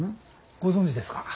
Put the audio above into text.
ご存じですか？